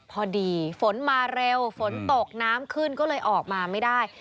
พอดีฝนมาเร็วฝนตกน้ำขึ้นก็เลยออกมาไม่ได้